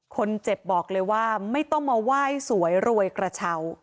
คนเจ็บบอกเลยว่าไม่ต้องมาไหว้สวยรวยกระเช้า